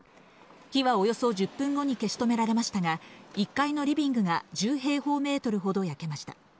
火はおよそ１０分後に消し止められましたが、１階のリビングが１０平方メートルほど焼けました。